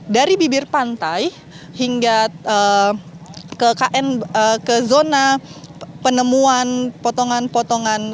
dari bibir pantai hingga ke zona penemuan potongan potongan